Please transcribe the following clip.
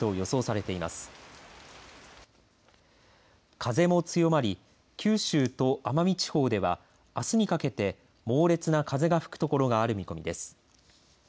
風も強まり九州と奄美地方ではあすにかけて猛烈な風が吹くところがある見込みです。